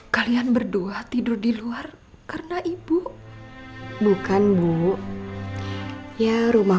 kalian berdua tidur di luar karena ibu